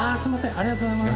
ありがとうございます。